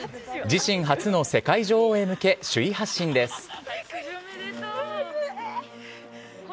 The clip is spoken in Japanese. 自身初の世界女王へ向け首位発進です。